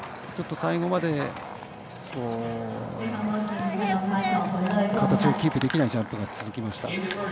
最後まで、形をキープできないジャンプが続きました。